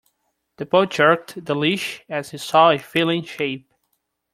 The pup jerked the leash as he saw a feline shape.